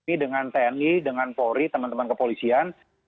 kami dengan tni dengan polri teman teman kepolisian